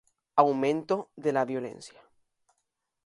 Aumento de la violencia.